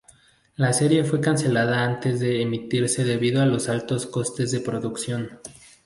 La serie fue cancelada antes de emitirse debido a los altos costes de producción